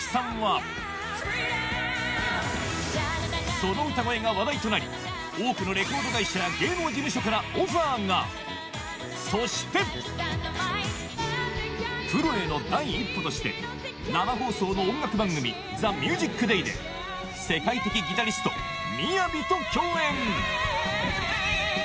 その歌声が話題となり多くのレコード会社や芸能事務所からオファーがそしてプロへの第一歩として生放送の音楽番組『ＴＨＥＭＵＳＩＣＤＡＹ』で世界的ギタリスト ＭＩＹＡＶＩ と共演